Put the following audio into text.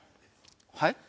はい？